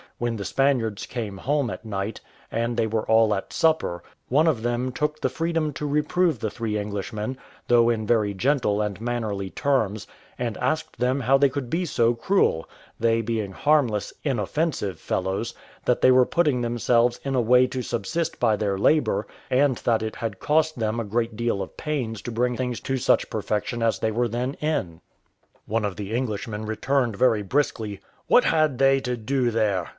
When the Spaniards came home at night, and they were all at supper, one of them took the freedom to reprove the three Englishmen, though in very gentle and mannerly terms, and asked them how they could be so cruel, they being harmless, inoffensive fellows: that they were putting themselves in a way to subsist by their labour, and that it had cost them a great deal of pains to bring things to such perfection as they were then in. One of the Englishmen returned very briskly, "What had they to do there?